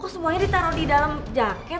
kok semuanya ditaro di dalam jaket